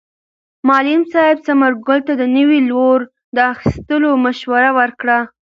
معلم صاحب ثمر ګل ته د نوي لور د اخیستلو مشوره ورکړه.